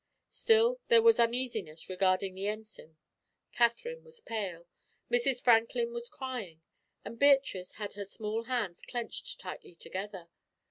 Still there was uneasiness regarding the Ensign. Katherine was pale, Mrs. Franklin was crying, and Beatrice had her small hands clenched tightly together.